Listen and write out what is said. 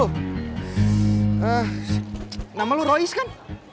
eh nama lu royis kan